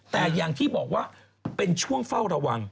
แต่อย่างที่บอกว่าเป็นช่วงเฝ้าระวัง